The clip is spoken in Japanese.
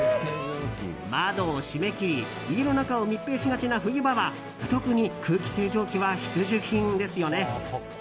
窓を閉め切り家の中を密閉しがちな冬場は特に空気清浄機は必需品ですよね。